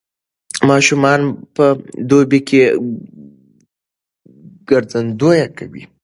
ماشومان په دوبي کې ګرځندويي کوي.